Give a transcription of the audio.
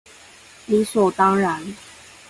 理所當然